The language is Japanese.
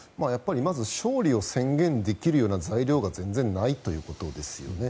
まず勝利を宣言できるような材料が全然ないというところですよね。